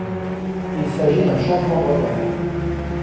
Il s'agit d'un changement de repère.